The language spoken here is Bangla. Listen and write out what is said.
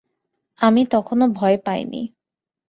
আমি তখনো ভয় পাই নি।